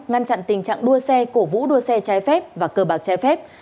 ngăn chặn tình trạng đua xe cổ vũ đua xe trái phép và cờ bạc trái phép